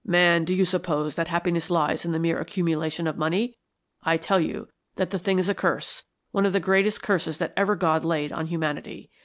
Man, do you suppose that happiness lies in the mere accumulation of money? I tell you that the thing is a curse, one of the greatest curses that ever God laid on humanity.